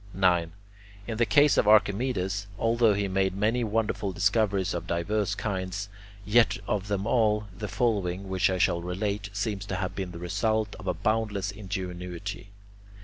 9. In the case of Archimedes, although he made many wonderful discoveries of diverse kinds, yet of them all, the following, which I shall relate, seems to have been the result of a boundless ingenuity.